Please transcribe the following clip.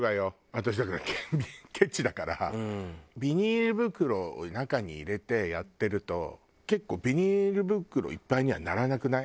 私だからケチだからビニール袋を中に入れてやってると結構ビニール袋いっぱいにはならなくない？